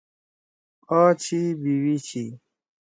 آ چھی بیوی چھی۔“